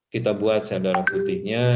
kita buat sal darah putihnya